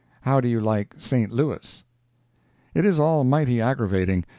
—How do you like St. Louis?" It is almighty aggravating.